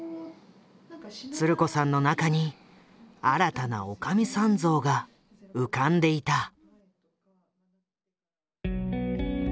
つる子さんの中に新たなおかみさん像が浮かんでいた。